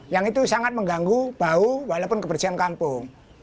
yang itu sangat mengganggu bau walaupun kebersihan kampung